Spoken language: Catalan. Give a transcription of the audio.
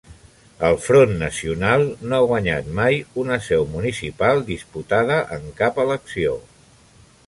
El Front Nacional no ha guanyat mai una seu municipal disputada en cap elecció.